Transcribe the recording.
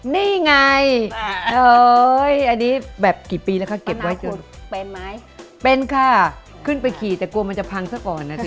นี่ไงอันนี้แบบกี่ปีแล้วค่ะเก็บไว้เป็นค่ะขึ้นไปขี่แต่กลัวมันจะพังซะก่อนนะสิ